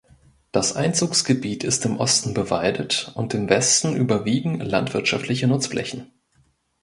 Das Einzugsgebiet ist im Osten bewaldet und im Westen überwiegen landwirtschaftliche Nutzflächen.